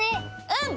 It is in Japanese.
うん！